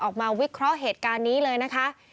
วิเคราะห์เหตุการณ์นี้เลยนะคะ